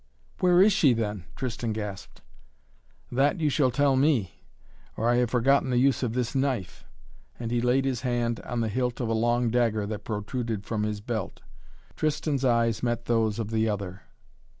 "Where is she, then?" Tristan gasped. "That you shall tell me or I have forgotten the use of this knife!" And he laid his hand on the hilt of a long dagger that protruded from his belt. Tristan's eyes met those of the other.